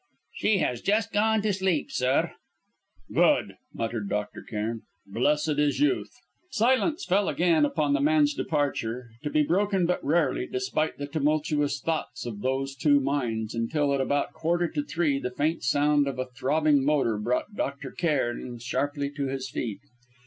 "She has just gone to sleep, sir." "Good," muttered Dr. Cairn. "Blessed is youth." Silence fell again, upon the man's departure, to be broken but rarely, despite the tumultuous thoughts of those two minds, until, at about a quarter to three, the faint sound of a throbbing motor brought Dr. Cairn sharply to his feet.